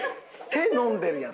手飲んでるやん。